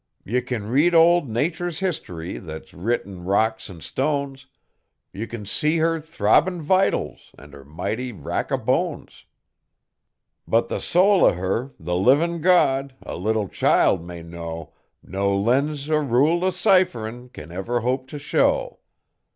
Ye can read old Nature's history thet's writ in rocks an' stones, Ye can see her throbbin' vitals an' her mighty rack o' hones. But the soul o' her the livin' God, a little child may know No lens er rule o' cipherin' can ever hope t' show.